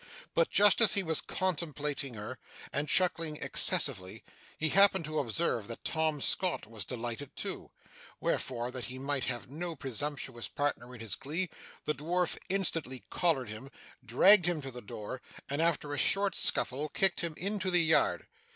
But, just as he was contemplating her, and chuckling excessively, he happened to observe that Tom Scott was delighted too; wherefore, that he might have no presumptuous partner in his glee, the dwarf instantly collared him, dragged him to the door, and after a short scuffle, kicked him into the yard.